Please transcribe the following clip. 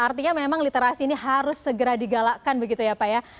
artinya memang literasi ini harus segera digalakkan begitu ya pak ya